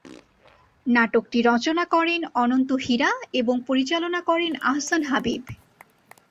নাটকটি রচনা করেন অনন্ত হীরা এবং পরিচালনা করেন আহসান হাবীব।